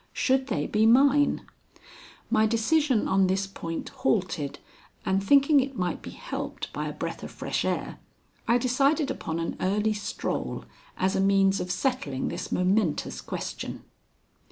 Should they be mine? My decision on this point halted, and thinking it might be helped by a breath of fresh air, I decided upon an early stroll as a means of settling this momentous question.